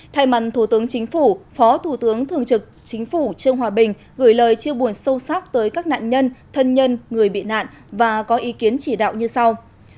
thay mặt thủ tướng chính phủ phó thủ tướng thường trực chính phủ trương hòa bình gửi lời chia buồn sâu sắc tới các nạn nhân thân nhân người bị nạn và có ý kiến chỉ đạo như sau